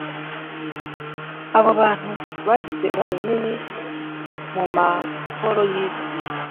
Abo bantu bagize uruhare runini mu mahoro yisi